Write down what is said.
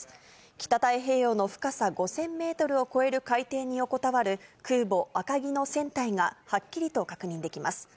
北太平洋の深さ５０００メートルを超える海底に横たわる空母赤城の船体が、はっきりと確認できます。